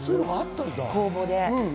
公募で。